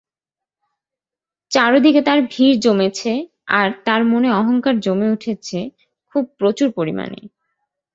চার দিকে তার ভিড় জমেছে আর তার মনে অহংকার জমে উঠেছে খুব প্রচুর পরিমাণে।